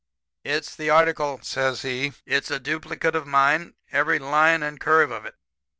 "'It's the article,' says he. 'It's a duplicate of mine, every line and curve of it.